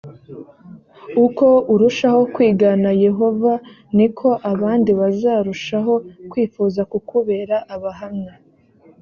uko urushaho kwigana yehova ni ko abandi bazarushaho kwifuza kukubera abahamya